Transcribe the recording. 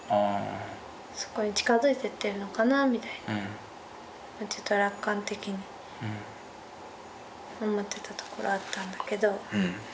そこに近づいてってるのかなみたいに楽観的に思ってたところあったんだけど。